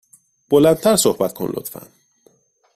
بلند تر صحبت کن، لطفا.